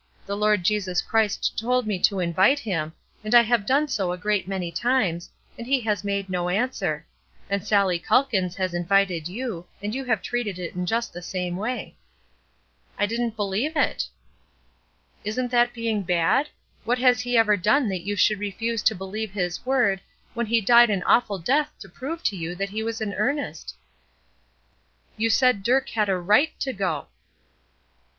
"The Lord Jesus Christ told me to invite him, and I have done so a great many times, and he has made no answer; and Sallie Calkins has invited you, and you have treated it in just the same way." "I didn't believe it." "Isn't that being bad? What has He ever done that you should refuse to believe His word, when He died an awful death to prove to you that He was in earnest?" "You said Dirk had a right to go."